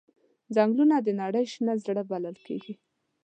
ځنګلونه د نړۍ شنه زړه بلل کېږي.